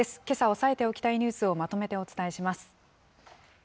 けさ押さえておきたいニュースをまとめてお伝えします。